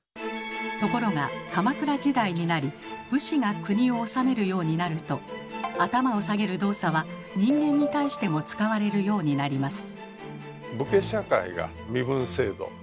ところが鎌倉時代になり武士が国を治めるようになると頭を下げる動作は人間に対しても使われるようになります。